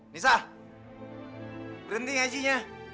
nisa berhenti ngajinya